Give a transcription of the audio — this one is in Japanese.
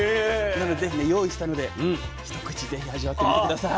なので是非用意したので一口是非味わってみて下さい。